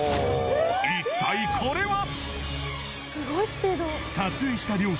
一体これは？